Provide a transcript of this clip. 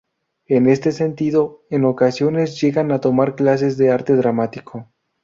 En este sentido, en ocasiones llegan a tomar clases de arte dramático.